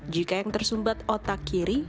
jika yang tersumbat otak kiri